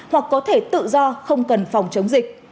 hoặc có thể tự do không cần phòng chống dịch